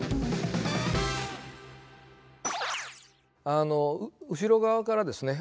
あの後ろ側からですね。